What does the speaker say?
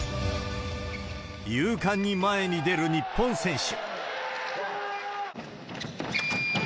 勇敢に前に出る日本選手。